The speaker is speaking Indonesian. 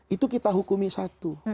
itu kita hukumi satu